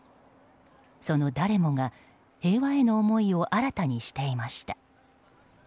その誰もが、平和への思いを新たにしていました。